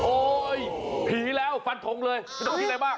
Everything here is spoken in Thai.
โอ๊ยผีแล้วฟันทงเลยมีตัวผีอะไรบ้าง